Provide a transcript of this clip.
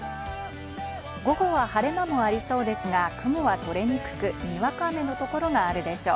午後は晴れ間もありそうですが、雲は取れにくく、にわか雨のところがあるでしょう。